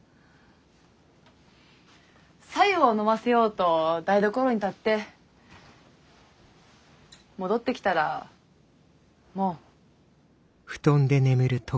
白湯を飲ませようと台所に立って戻って来たらもう。